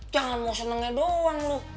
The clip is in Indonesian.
jangan mau senengnya doang lu